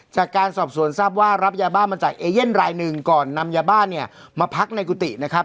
จากการสอบสวนทราบว่ารับยาบ้ามาจากเอเย่นรายหนึ่งก่อนนำยาบ้าเนี่ยมาพักในกุฏินะครับ